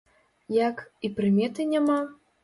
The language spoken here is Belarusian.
Як, і прыметы няма?